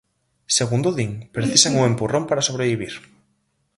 Segundo din, precisan un empurrón para sobrevivir.